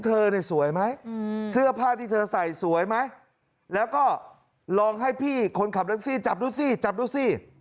เธอสวยไหมเสื้อผ้าที่เธอใส่สวยไหมแล้วก็ลองให้พี่คนขับรถแท็กซี่จับดูสิ